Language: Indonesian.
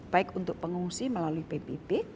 baik untuk pengungsi melalui pbb